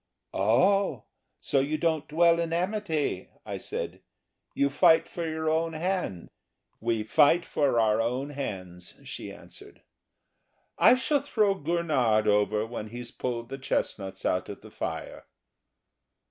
"Oh, so you don't dwell in amity?" I said. "You fight for your own hands." "We fight for our own hands," she answered, "I shall throw Gurnard over when he's pulled the chestnuts out of the fire."